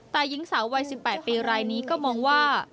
แต่หญิงสาววัย๑๘ปีรายนี้ก็มองว่า